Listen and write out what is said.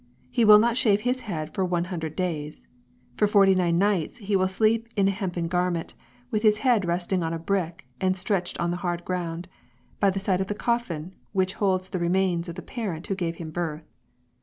He will not shave his head for one hundred days. For forty nine nights he will sleep in a hempen garment, with his head resting on a brick and stretched on the hard ground, by the side of the coffin which holds the remains of the parent who gave him birth.